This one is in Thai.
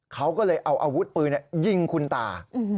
เขาก็เลยเอาอาวุธปืนยิงคุณตา